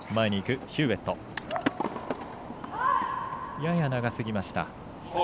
やや長すぎました。